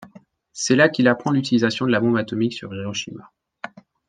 C'est là qu'il apprend l'utilisation de la bombe atomique sur Hiroshima.